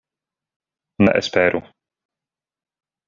Ne esperu.